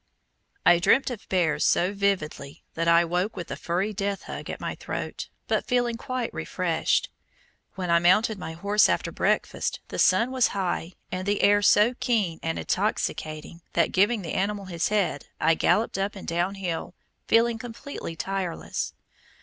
I dreamt of bears so vividly that I woke with a furry death hug at my throat, but feeling quite refreshed. When I mounted my horse after breakfast the sun was high and the air so keen and intoxicating that, giving the animal his head, I galloped up and down hill, feeling completely tireless.